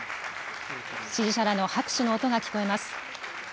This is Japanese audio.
支持者らの拍手の音が聞こえます。